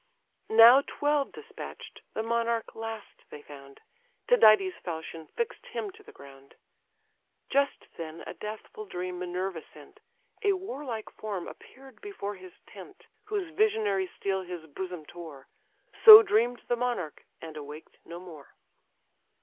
Now twelve despatch'd, the monarch last they found; Tydides' falchion fix'd him to the ground. Just then a deathful dream Minerva sent, A warlike form appear'd before his tent, Whose visionary steel his bosom tore: So dream'd the monarch, and awaked no more.